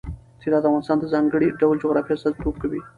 طلا د افغانستان د ځانګړي ډول جغرافیه استازیتوب کوي.